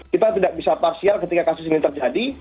kita tidak bisa parsial ketika kasus ini terjadi